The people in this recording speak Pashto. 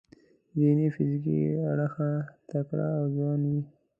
ذهني او فزیکي اړخه تکړه او ځوان وي.